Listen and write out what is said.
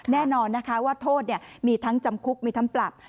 แน่นอนนะคะว่าโทษมีทั้งจำคุกมีทั้งปรับ